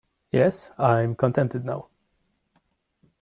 Yes, I am contented now.